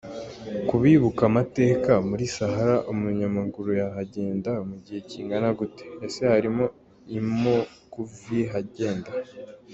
kubibuka amateka; muri sahara umunyamaguru yahagenda mu gihe kingana gute??? ’ese hari imookuvihagenda?.